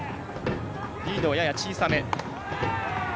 リードは、やや小さめ。